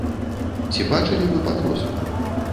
Ці бачылі вы пагрозу?